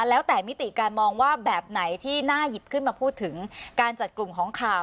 แล้วแต่มิติการมองว่าแบบไหนที่น่าหยิบขึ้นมาพูดถึงการจัดกลุ่มของข่าว